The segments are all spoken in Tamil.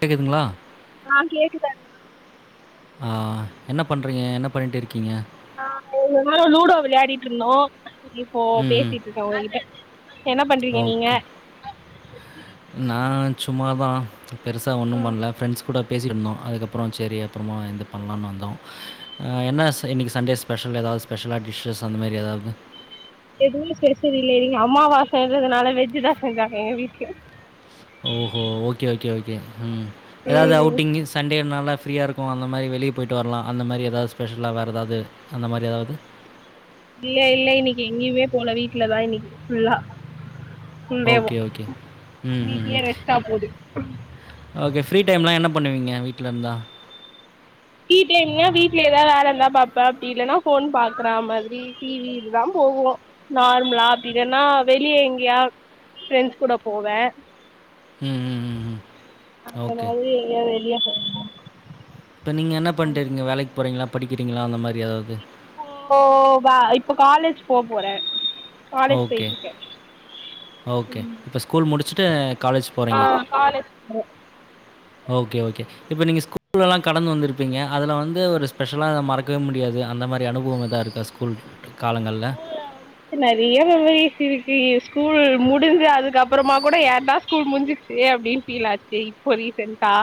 கேக்குதுங்களா ஆ கேக்குதானே அ என்ன பண்றீங்க என்ன பண்ணிட் இருக்கீங்க அ இவ்ளோ நேரோ லூடோ விளையாடிட்டுருந்தோ இப்போ ம்ஹ்ம். பேசிட்ருக்கோ உங்கிட்ட என்ன பண்றீங்க நீங்க ரெசி நா சும்மாதா பெருசா ஒன்னு பண்ல ஃப்ரெண்ட்ஸ் கூடா பேசிக்கிட்டு இருந்தோ அதுக்கப்புறோ செரி அப்புறமா இது பண்ணலான்னு வந்தோ என்ன இன்னைக்கி சண்டே ஸ்பெஷல் ஏதாவது ஸ்பெஷலா டிஷ்ஷஸ் அந்தமதிரி ஏதாவது எதுவு ஸ்பெஷல் இல்லியே இன்னக் அம்மாவாசன்றதுனால வெஜ் தா செஞ்சாங்க எங்க வீட்ல ஓஹோ ஓகே ஓகே ஓகே ம் எதாவது ம் அவுட்டிங்கு சண்டேனால ஃப்ரீயா இருக்கு அந்த மாரி வெளிய போயிட்டு வரலா அந்த மாரி ஏதாவது ஸ்பெஷலா வேறெதாவது அந்த மாரி எதாவது இல்ல இல்ல இன்னைக்கு எங்கேயுமே போல வீட்டுலதா இன்னைக்கு ஃபுல்லா புள்டேவு ஓகே, ஓகே. ம், ம், வீட்லேயே ம். ரெஸ்ட்டா போது ஓகே ஃப்ரீ டைம்லா என்ன பண்ணுவீங்க வீட்லருந்தா வீட்லருந்தா வீட்ல எதாவது வேல இருந்தா பாப்பே அப்டி இல்லன்னா ஃபோன் பாக்குறா மாதிரி டி வி இதுதா போவோ நார்மலா அப்டி இல்லன்னா வெளிய எங்கயாவது ஃப்ரெண்ட்ஸ் கூட போவே ம், ம், ம், ம். அந்த ஓகே. மாதிரி எங்காது வெளியே போனுமா பண்ட்ருங்க வேலைக்கு போறிங்ளா படிக்கிறிங்ளா அந்த மாரி எதாவது ஓ இப்போ காலேஜ் போ போறே காலேஜ் ஓகே போயிட்டு இருக்கே ஓகே இப்ப ஸ்கூல் முடிச் சிட்டர் ஆ காலஜ் கரெக் ஓகே ஓகே இப்ப நீங்க ஸ்கூல்லல்லா கடந்து வந்திருப்பீங்க அதுல வந்து ஒரு ஸ்பெஷலா மறக்கவே முடியாது அந்த மாரி அனுபவோ எதா இருக்கா ஸ்கூல் காலங்கள்ல? ஸ்கூலவந்து நெறைய மெமரீஸ் ருக்கு ஸ்கூல் முடிஞ்சு அதுக்க அப்புறமா கூட யார்னா ஸ்கூல் முடிஞ்சிருச்சு அப்டின் ஃபீல் ஆச்சு இப்போ ரீசெண்டா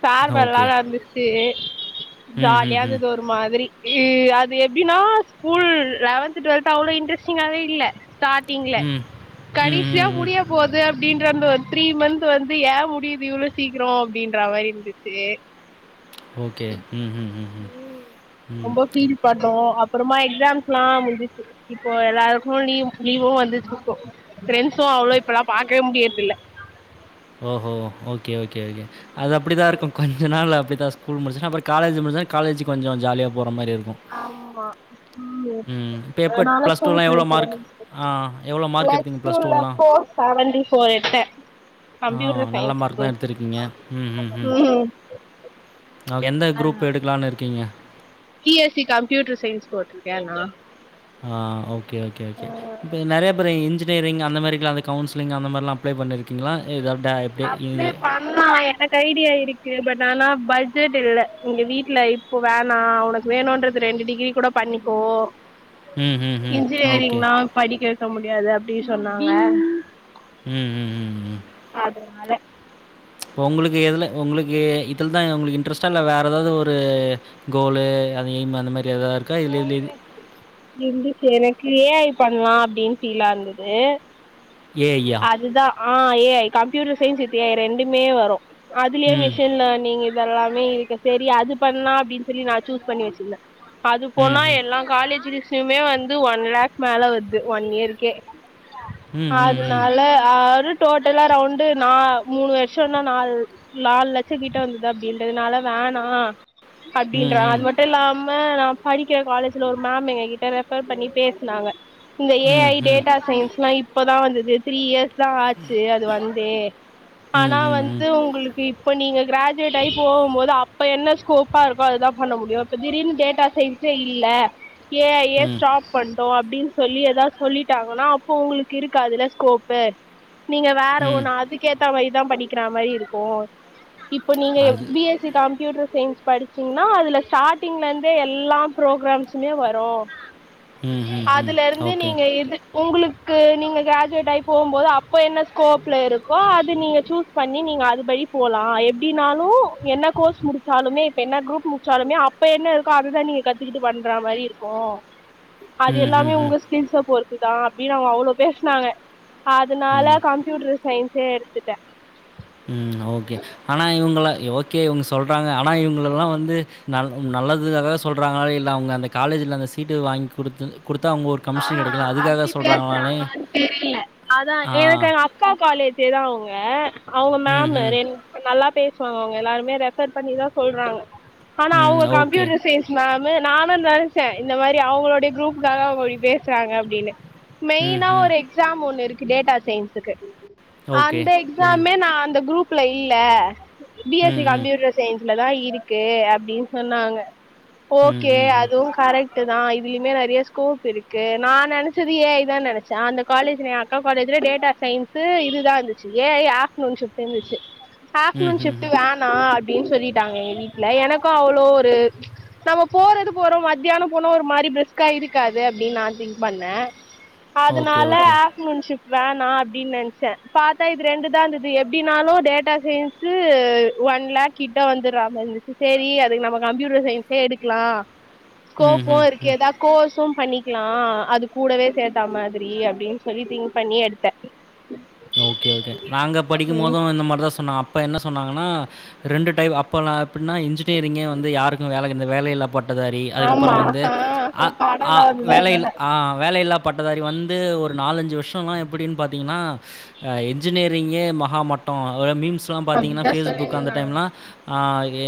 ஃப்பேர்வல்லா ஓகே. நடந்துச்சு ம், ம், ஜாலியா ம். இருந்துது ஒரு மாதிரி இ அது எப்டின்னா ஸ்கூல் லெவன்த் டுவெல்த் அவ்ளோ இன்ட்ரெஸ்டிங்காவே இல்ல ஸ்டார்டிங்ள ம். ம், கடைசியா ம், ம். முடிய போது அப்டின்ற அந்த ஒரு த்ரீ மந்த் வந்து ஏ முடியுது இவ்ளோ சீக்ரோ அப்டின்ற மாரி இருந்துச்சு ஓகே ம்ஹ்ம் ம் ரொம்ப ஃபீல் பண்ணோ அப் அப்புறமா எக்ஸாம்ஸ்லா முடிஞ்சுச்சு இப்போ எல்லாருக்கு லீவ் லீவு வந்துட்டுருக்கு ஃப்ரெண்ட்சு அவ்ளோ இப்பல்லா பாக்கவே முடியல் இல்ல ஓஹோ ஓகே ஓகே ஓகே அது அப்படிதா இருக்கு கொஞ்ச நாள் ஆ பிரித்தா ஸ்கூல் முடிச்சுட்டா அப்புறோ காலேஜ் முடிச்சா காலேஜ் கொஞ்சோ ஜாலியா போவு ஆம்மா ம் இப்ப எப்ப நானு ப்ளஸ் ஸ்கூல் டூலாம் எவ்வளோ மார்க்? ஃப்ரண்ட்ஸ் ஆ எவ்வளோ [unintelligible] மார்க் எடுத்தீங்க ப்ளஸ் ப்ளஸ்டூல டூலாம்? ஃபோர் சவன்ட்டி ஃபோரே எடுத்தே ஆ கம்ப்யூட்டர் நல்ல சயின்ஸ் மார்க் தா குரூப் எடுத்திருக்கீங்க ம்ம்ம் ம் எந்த அதுதா குரூப் எடுக்கலானு இரு க்கீங்க B S C computer science போட்டிருக்கனா ஆ ஓகே ஓகே ஓகே இப்ப நறைய பேரு இஞ் னீர்ங் அந்த மாரிக்லா வந்து கவுன்சிலி்ங் அந்தமாரிலா அப்ளை பண்ணிருக்கிங்ளா எதாவ்து அப்லே பண்லா எனக்கு ஐடியா இருக்கு பட் நானா பட்ஜெட் இல்ல இங்க வீட்ல இப்போ வேணா உனக்கு வேணும்ன்றது ரெண்டு டிகிரி கூட பண்ணிக்கோ ம், ம், ம். ஓகே. இன்ஜினியரிங்ளா படிக் சௌ முடியாது அப்டி சொன்னாங்க ம் ம் ம் ம் அதனால இப்போ உங்களுக்கு எதுல உங்களுக்கு எ இதுலதா உங்களுக்கு இன்ட்ரெஸ்டா இல்ல வேற எதாவது ஒரு கோலு அது எய்ம் அந்த மாரி எதாவது இருக்கா? இல்ல இல்ல இது இருந்துச்சு இருந்துச்சு எனக்கு ஏ ஐ பண்லா அப்டின்னு ஃபீலா இருந்துது ஏ ஐ யா ஆ A I computer science with A I ரெண்டுமே வரு அதுலயே ம், மிஷின் லேர்னிங் இ தெல்லாமே இருக்கு செரி அது பண்லா அப்டின்னு சொல்லி நா சூஸ் பண்ணி வச்சிருந்தே. அது ம், போனா ம். எல்லா காலேஜுலிஸு சமே வந்து ஒன் லேக் மேல வர்து ஒன் இயர்க்கே ம் ம் ம். அதுனால யாரு டோட்டலா ரௌண்டு நா மூணு வர்ஷம்னா நால் நாலு லட்சோ கிட்ட வந்துர்து அப்டின்றதுனால வேணா ம், அப்டின்றாங்க அது ம். மட்டு இல்லா ம நா படிக்கிற காலேஜ்ல ஒரு மேம் எங்ககிட்ட ரெஃபர் பண்ணி பேசினாங்க இந்த ஏ ம், ஐ ம். டேட்டா சயின்ஸ்லா இப்பதா வந்து து த்ரீ இயர்ஸ் தா ஆச்சு அது வந்தே ம், ஆனா ம், வந்து ம். உங்களுக்கு இ ப்ப நீங்க கிராஜுவேட் ஆயி போகும்போது அப்ப என்ன ஸ்கோப்பா இருக்கோ அதுதா பண்ண முடியு இப்ப திடீர்னு டேட்டா சயன்ஸே இல்ல ஏ ஐ யே ம், ஸ்டாப் பண் ட்டோ அப்டின்னு சொல்லி எதாவது சொல்லிட்டாங்கன்னா அப்போ உங்களுக்கு இருக்காதுல்ல ஸ்கோப்பு நீங்க வேற ம். ஒண்ணு அதுக்கேத்தா மாரி தா படிக்கிறா மாரி இருக்கு இப்ப நீங்க அது B S C computer science படிச்சீங்னா அதுல ஸ்டார்ட்டிங்ல இருந்தே எல்லா ப்ரோக்ராம்ஸுமே வரு ம், ம், ம். அதுல இருந்து ஓகே. நீங்க இது உங்களுக் கு நீங்க கிராஜுவேட் டாயி போகும்போது அப்ப என்ன ஸ்கோப்ல இருக்கோ அது நீங்க சூஸ் பண்ணி நீங்க அதுபடி போலா எப்டினாலு என்ன கோர்ஸ் முடிச்சாலுமே இப்ப என்ன குரூப் முட்ச்சாலுமே அப்ப என்ன இருக்கோ அதுதா நீங்க கத்துக்கிட்டு பண்றா மாரி இருக்கு அது ம், ம், எல்லாமே ம். உங்க ஸ்கில்ஸ பொருத்துதா அப்டினு அவுங்க அவ்ளோ பேசுனாங்க. அதனால ம், கம்ப்யூட்டர் சயின்ஸே எடு த்துட்டே. ம் ஓகே ஆனா இவங்கல்லா ஓகே இவங்க சொல்றாங்க ஆனா இவங்களல்லா வந்து நல் நல்லதுக்காகதா சொல்றாங்களா இல்ல அவங்க அந்த காலேஜுல அந்த சீட்டு வாங்கி் குடுத்து குடுத்தா அவங்க ஒரு ஆ கமிஷன் கிடைக்கலாம். அதுக்காக அப்டி சொல்றாங்களான்னே பேசுறாங்களான்னு தெரியல அதா ஆ. எனக்கு எங்க அக்கா காலேஜேதா அவங்க அவங்க ம், மேமு ம். ரெண் நல்லா பே சுவாங்க அவங்க எல்லாருமே ரெஃபர் பண்ணிதா சொல்றாங்க. ஆனா ம். அவங்க ஓகே. கம்ப்யூட்டர் சயன்ஸ் மேம் னு நானு நெனைச்சே இந்த மாரி அவங்களுடைய குரூப்புக்காக அவங்க இ பேசுறாங்க அப்டின்னு ம், மெய்னா ம். ஒரு எக்ஸாம் ஒண்ணு இரு க்கு டேட்டா சயன்ஸுக்கு. ஓகே. அந்த ம். எக்ஸாமுமே நா அந்த குரூப் ல இல்ல பி எஸ் சி ம், ம். கம்ப்யூட்டர் சயன்ஸ் லதா இருக்கு அப்டின்னு சொன்னாங்க. ம், ஓகே ம், ம். அதுவும் கரெக் ட்டுதா இதுலயுமே நெறைய ஸ்கோப் இரு க்கு நா நெனைச்சது ஏ ஐ தா நெனைச்சே அந்த காலேஜுல ஏன் அக்கா காலேஜுல டேட்டா சயின்ஸு இதுதா இருந்துச்சு ஏ ஐ ஆஃப்டர்நூன் ஷிஃப்டு இருந்துச்சு. ம், ஆஃப்டர்நூன் ம், ஷிஃப்டு ம். வேணா அப் டின்னு சொல்லிட்டாங்க எங்க வீட்ல எனக்கு அவ்ளோ ஒரு நம்ம போறது போறோ மத்தியானோ போனா ஒரு மாரி பிரிஸ்கா இருக்காது அ ப்டினு நா திங்க் பண்ணே. ஓகே, அதனால ஓகே. ஆஃப்டர்நூன் ஷிஃப்ட் வேணா அப்டின்னு நென்ச்சே பாத்தா இது ரெண்டுதா இருந்துது எப்டினாலு டேட்டா சயின்ஸு ஒன் லேக் கிட்ட வந்தர்றா மாரி இருந்துச்சு. சேரி அதுக்கு நம்ம கம்ப்யூட்டர் சயின்ஸே எடுக்லா ம், ஸ்கோப்பு ம், இருக்கு ம். எதா கோர்ஸும் பண்ணி க்லா அது கூடவே சேத்தா மாதிரி அப்டின்னு சொல்லி திங்க் பண்ணி எடுத்தே ஓகே ஓகே நாங்க படிக்கும் ம் போது இந்த மாரிதா சொன்னாங்க அ ப்ப என்ன சொன்னாங்கன்னா ரெண்டு டைப் அப்பல்லா எப்பிட்னா இன்ஜினியரிங்கே வந்து யாருக்கு வேல கெ அந்த வேலையில்லா பட் டதாரி அதுக்கப்புறோ ஆமா வந்து ஆ அ ஆ படம்லா வந்ததா வேலையில்லா அதனால ஆ வேலையில்லா பட்டதாரி வந்து ஒரு நாலஞ்சு வர்ஷோ ல்லா எப்பிடின்னு பாத்தீங்கன்னா ஆ என்ஜினியரிங்கே மகா மட்டோ அது மீம் ஸ்லா பாத்தீங்கன்னா அப்டிதா ஃபேஸ்புக்கு அந்த சொல்லினுருந்தாங்க டைம்லா ஆ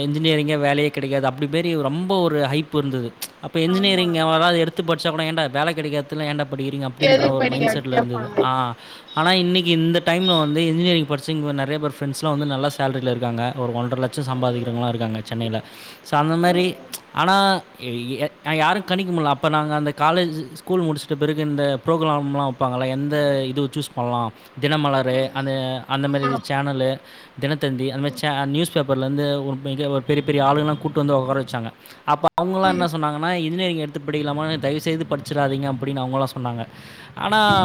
என்ஜினியரிங்கே வேலையே கெடைக்காது அப்டி மாரி ரொம்ப ஒரு ஹைப் இருந்துது. அப்ப ஆமா என்ஜினியரிங் யாராது எடுத் து பட்ச்சா கூட ஏண்டா வேல கெடைக்காதல்லா ஏண்டா படிக்கிறீங்க அப்டின்ற எதுக்கு ஒரு படிக்க மைண்ட் அப்டி செட்ல இருந்துது கேப்பாங்க ஆ ஆனா இன்னக்கி இந்த டைம்ல வந்து இன்ஜினியரிங் படிச்சு இங்க வந் நெறைய பேர் ஃப்ரெண்ட்ஸ்லா வந்து நல்ல சேல்ரில இருக்காங்க ஒரு ஒன்ர லட்சோ ம் சம்பாதிக்கிறவங்கல்லா இருக்காங்க சென்னைல சோ அந்த ம் மாரி ஆனா ய் ய ய ஆ யாரு கணிக்க முடில அப்போ நாங்க அந்த காலேஜு ஸ்கூல் முடிச்சட்ட பிறகு இந்த ப்ரோக்ராம்லா வப்பாங்ல்ல எந்த இது சூஸ் பண்லா தினமலரு ம் அது அந்த மாரி ஆமா சேனலு தினத்தந்தி அந்த மாரி ம் சே ஆ நியூஸ் பேப்பர்ல இருந்து ஒரு உண்மைக்கே ஒரு பெரிய பெரிய ஆளுகல்லா கூட்டு வந்து உக்கார வச்சாங்க. அப்போ அவங்கல்லா என்ன ம் சொன்னாங்கன்னா இன்ஜினியரிங் எடுத்து படிக்கலாமானு தயவு செய்து படிச்சிறாதிங்க அப்பிடினு அவங்கல்லா சொன்னாங்க. ஆனா ம்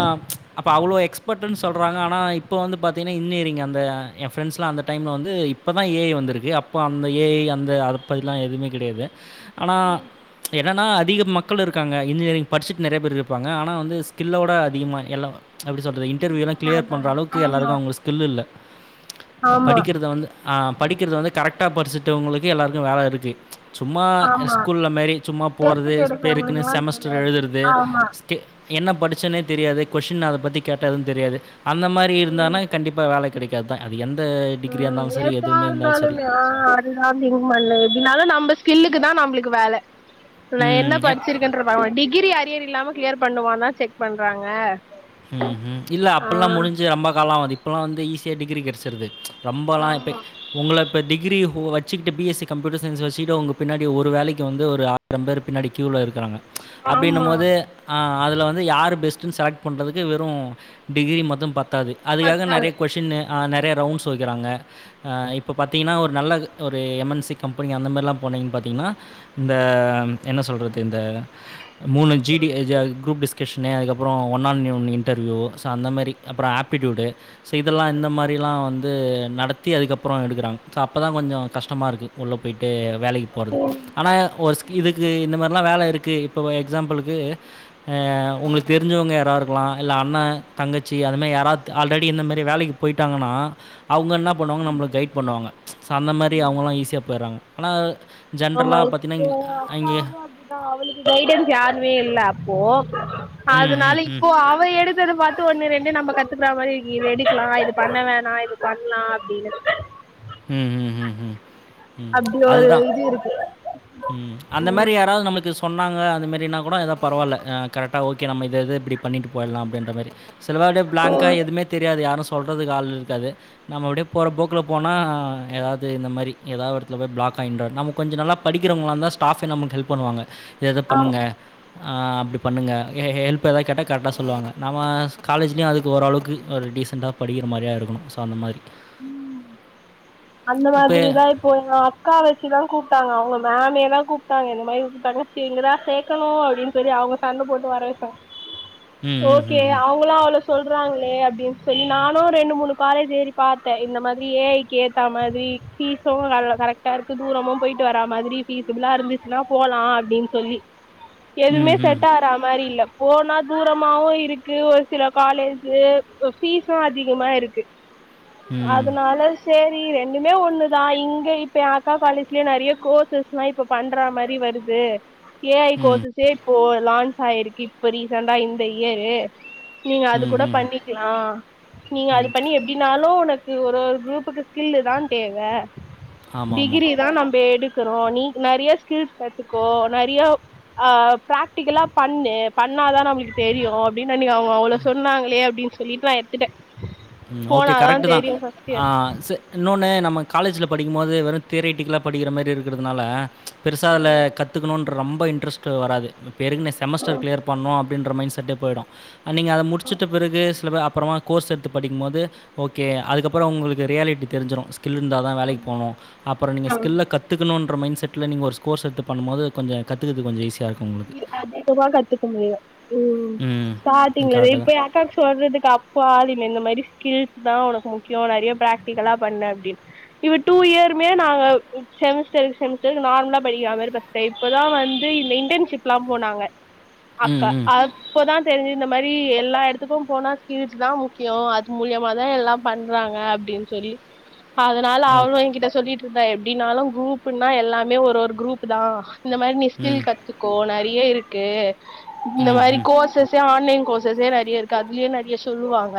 அப்போ அவ்ளோ எக்ஸ் க்ஸ்பர்ட்டுன்னு சொல்றாங்க ஆனா இப்ப வந்து பாத்தீங்கன்னா இன்ஜினியரிங் அந்த என் ஃப்ரெண்ட்ஸ்லா அந்த டைம்ல வந்து இப்பதா ஏ ஐ வந்திருக்கு அப்போ அந்த ஏ ஐ அந்த அத பத்திலா எதுமே கெடையாது. ஆனா எ என்னனா அதிக மக்கள் இருக்காங்க இன்ஜினியரிங் படிச்சுட்டு நெறையா பேர் இருப்பாங்க. ஆனா வந்து ஸ்கில்லோட அதி்கமா எல்லா எப்டி சொல்றது இன் டர்வியூல்லா கிளியர் பண்ற அளவுக்கு ஆமா எல்லாருக்கு அவங்களுக்கு ஸ்கில் இல்ல. அ ஆமா படிக்கிறது வந்து ஆ படிக்கிறது வந்து கரெக் ட்டா படிச்சிட்டவங்களுக்கு எல்லாருக்கு வேல இருக்கு. சும்மா அ ஆமா ஸ்கூல்ல மாரி சும்மா போறது வேஸ்டுக்கு பேருக்குன்னு எடுக்கறவங்களுக்குல்லா செமஸ்டர் தெரியாது எழுதுறது ஆமா ஸ்கி என்ன படி ச்சன்னே தெரியாது கொஷின் அத பத்தி கே ட்டாலு தெரியாது அந்த மாரி இருந்தான்னா கண்டிப்பாக வேல கெடைக் காதுதா அது எந் ஆ எதா இருந்தாலுமே ஆ அதுதா திங்க் பண்ணே எப்டினாலு நம்ப ஸ்கில்லுக்குதா நம்பளுக்கு வேல நா ம். என்ன எ படிச்சிருக்கேன்றத பாக்க மாட் டிகிரி அரியர் இல்லாம க்ளியர் பண்ணுவான்தா செக் பண்றாங்க. ம் ஹும் இல்ல ஆ அப்பல்லா முடிஞ்சு ரொம்ப காலோ ஆவுது இப்பல்லா வந் து ஈஸியா டிகிரி கெடைச்சுறது ரொம்பல்லா இப்ப ஆமா உங்கள இப்ப டிகிரி இப்போ வச்சுக்கிட்டு பி எஸ் சி கம்ப்யூட்டர் சயன்ஸ வச்சுக்ட்டு உங்க பின்னாடி ஒரு வேலைக்கு வந்து ஒரு ஆயிரம் பேரு பின்னாடி க்யூல இருக்கறாங்க. அப்டின்னும் ஆமா போது ஆ அதுல வந்து யார் பெஸ்ட்டுன்னு செலக்ட் பண்றதுக்கு வெறு டிகிரி மட்டு பத் தாது அதுக்காக பத்தாது நெறைய கொஷினு ஆ நெறைய ரவுண்ட்ஸ் வைக்கிறாங்க. ஆ இப்போ பாத்தீங்கன்னா ஒரு நல்ல ஒரு எம் என் சி கம்பெனி அந்த மாரில்லா போனீங்கன்னு பாத்திங்கன்னா இந்த என்ன சொல்றது இந்த மூணு ஜி டி ஆ ஜ குரூப் டிஸ்கஷனு அதுக்கப்றோ one on U one interview so அந்த மாரி அப்பறோ ஆப்பிட்யூடு சோ இதெல்லா இந்த மாரில்லா வந்து நடத்தி அதுக்கப்புறோ எடுக்குறாங்க. சோ அப்பதா கொஞ்சோ கஷ்டமா இருக்கு உள்ள போயிட்டு வேலைக்கி போறது ஆனா ஒரு ஸ்கி இதுக்கு இந்த மார ல்லா வேல இருக்கு இப்ப வ எக்ஸாம்பிளுக்கு ஆ உங்களுக்கு தெரிஞ்சவங்க யா ரா இருக்கலா இல்ல அண்ண தங்கச்சி அது மாரி யாராவது ஆல்ரெடி இந்த மாரி வேலைக்கி போயிட்டாங்கன்னா அவு ங்க என்னா பண்ணுவாங்க நம்மள கைட் பண்ணுவாங்க. சோ அந்த மாரி அவங்கல்லா ஈஸியா போயர்றாங்க. ஆனா ஆமா இப்போ யேன் அக்காவே அப்டிதா அவளுக்கு கைடன்ஸ் யாருமே இல்ல அப்போ. ம் அதனால ம் ம் இப்போ அவ எடு த்தத பாத்து ஒண்ணு ரெண்டு நம்ம கத்துக்குறா மாரி இருக்கு இது எடுக்லா இது பண்ண வேணா இது பண்லா அப்டின்னு. ம் ம் ம் ம் ம் அப்டி ஒரு அதுதா இது இருக்கு ம் அந்த மாரி யாராவது நம்மளுக்கு சொன்னாங்க அது மாரின்னா கூட எதோ பரவால்ல ஆ கரெக்டா ஓகே நம்ம இத இத இப்டி பண்ணிட்டு போயர்லா அப்டின்ற மாரி சிலவாட்டி ப்ளாங்க்கா எதுமே தெரியாது யாரு சொல்றதுக்கு ஆள் இருக்காது. நம்ம அப்டியே போற போக்குல போ னா ஏதாவது இந்த மாரி எதா ஒரு எடத்துல போய் ப்ளாக் ஆகி நின்றோ. நம்ம கொஞ்ச நல்லா படிக்கிறவங்களா இருந்தா ஸ்டாஃபே நமக்கு ஹெல்ப் பண்ணுவாங்க. எத பண்ணுங்க ஆ அப்டி பண்ணுங்க ஹெ ஹெல்ப் எதா கேட்டா கரெக்டா சொல்வாங்க. நம்ம காலேஜ்லயு அதுக்கு ஓரளவுக்கு ஒரு டீசண்ட்டா படிக்கிற மாரியா இருக்கணு சோ அந்த மாரி அந்த மாதிரிதா இப்போ எங்க அக்கா வச்சுதா கூப்ட்டாங்க அவங்களு மேமேதா கூப்ட்டாங்க இந்த மாரி கூப்ட்டாங்க சேரி இங்கதா சேக்கணு அப்டின்னு சொல்லி அவங்க சண்ட போட்டு வர வெச்சாங்க ம், ம், ஓகே ம், ம். அவங்களு அவ்ளோ சொல்றாங்களே அப்டின்னு சொல்லி நானு ரெண்டு மூணு காலேஜ் ஏறி பாத்தே இந்த மாதிரி ஏ ஐ க்கு ஏ த்தா மாதிரி ஃபீஸு க கரெக்டா இருக்கு தூரமு போயிட்டு வரா மாதிரி ஃபீசபிளா இருந்துச்சுன்னா போலா அப்டின்னு சொல்லி ம் எதுமே ம் செட் ஆகறா மாரி இல்ல போனா தூரமாவு இருக்கு ஒரு சில காலேஜு அ ஃபீஸு அதிகமா இருக்கு ம் அதனால சே ரி ரெண்டுமே ஒண்ணுதா இங்க இப்ப ஏ அக்கா காலேஜ்லயே நெறைய கோர்சஸ்லா இப்ப பண்றா மாரி வருது ஏ ஐ ம் ம் கோர்சஸே இப்போ லான் ச் ஆயிருக்கு இப்ப ரீசண்டா இந்த இயரு நீங்க அது ம் கூட ம் பண்ணிக்லா நீங்க அது பண்ணி எப்டினாலு உனக் கு ஒரு ஒரு குரூப்புக்கு ஸ்கில்லுதா தேவ ஆமாம் ஆமாம் டிகிரிதா நம்ப எடு க்கறோ நீ நெறைய ஸ்கில்ஸ் கத்துக்கோ நெறைய ஆ ப்ராக்டிக்கலா பண்ணு பண்ணாதா நம்மளுக்கு தெரியு அப்டி னு அன்னக்கி அவங்கோ அவ்ளோ சொன்னாங்களே அப்டின்னு சொல்லிட்டு நா எடுத்துட்டே ம் ஓகே போனாதா கரெக்ட்டுதா தெரியு ஃபர்ஸ்ட் ஆ இயர் செ இன்னொன்னு நம்ம காலேஜ்ல படிக்கும்போது வெறு தியரிட்டிக்கலா படிக்கிற மாரி இருக்குறதுனால பெருசா அதுல கத்துக்கணுன் ற ரொம்ப இன்ட்ரஸ்ட்டு வராது அ பேருக்குனே செமஸ்டர் க்ளியர் பண்ணு அ ப்டின்ற மைண்ட் செட்டே போயிடு ஆ நீங்க அத முடிச்சிட்ட பிறகு சொன்ன மாரி அப்பறமா கோர்ஸ் எடு த்து படிக்கும்போது ஓகே அதுக்கப்புறோ உங்களுக்கு ரியாலிட்டி தெரிஞ்சுரு ஸ் கில் இருந்தாதா வேலைக்கி ஆமா போகணு அப்புற நீங்க ஆ ஸ்கில்ல கத்துக்கணுன் ற மைண்ட் செட்ல நீங்க ஒரு ஸ் கோர்ஸ் எடுத்து பண்ணும் போது கொஞ்சோ கத்துக்கறது கொஞ்சோ ஈஸி இ அதிகமா கத்துக்க முடியு ம் ம். ஸ்டார்ட்டிங்ல இது கரெக்ட்டு இப்ப தான். ஏன் அக்காக்கு சொல்றதுக்கு அப்ப ஆளு இல்ல இந்த மாரி ஸ்கில்ஸ்தா உனக்கு முக்கியோ நெறைய பிராக்டிகலா பண்ணு அப்டின்னு. இப்ப டூ இயருமே நாங்க ம் செமஸ்டருக்கு செமஸ்டர் நார்மலா படிக்கிற மாரி படிச்சிட்டே இப்பதா வந்து இந்த இன்டென்ஷிப் லா போனாங்க ம். அக்கா ம். அப்பதா தெரிஞ்சுது இந்த மாரி எல்லா எடத்துக்கும் போனா ஸ்கில்ஸ்தா முக்கியோ அது மூலியமாதா எல்லா பண்றாங்க அப்டின்னு சொல்லி அதனால அவ ஓகே. என்கிட்ட சொல்லிட்ருந்தா எப்டின்னாலு குரூப் புன்னா எல்லாமே ஒரு ஒரு குரூப்தா இந்த மாரி நீ ம். ஸ்கில் கத்து க்கோ நெறைய இருக்கு. இந்த ம். மாரி ம். கோர்சஸே ஆன்லைன் கோர் சஸே நெறைய இருக்கு. அதுலயே நெறைய சொல்லுவாங்க.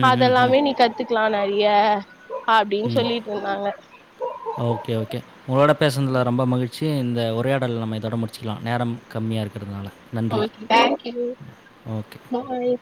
ம். ம். ம். அதெல்லாமே நீ கத்துக்கலா நெ றைய அப்டின்னு ம். சொல்லிட்ருந்தாங்க. Okay, okay. உங்களோட பேசுனதுல ரொம்ப மகிழ் ச்சி இந்த உரையாடல் நம்ம இதோட முடிச்சிக்கலா நேரம் கம்மியா இருக்கறதுனால ஓகே தேங்க்யூ ஓகே. பாய்